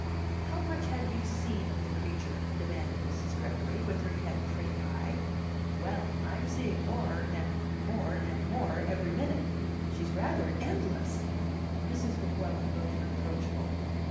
"How much have you seen of the creature?" demanded Mrs. Gregory, with her head pretty high. "Well, I'm seeing more, and more, and more every minute. She's rather endless." Mrs. Weguelin looked reproachful.